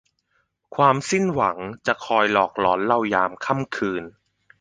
ความสิ้นหวังจะคอยหลอกหลอนเรายามค่ำคืน